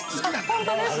◆本当ですか。